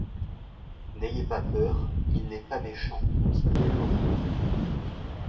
N'ayez pas peur, il n'est pas méchant, continuait Lorilleux.